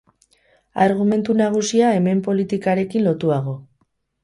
Argumentu nagusia hemen politikarekin lotuago.